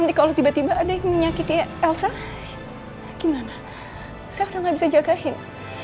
nanti kalau tiba tiba ada yang menyakiti elsa gimana saya udah gak bisa jagain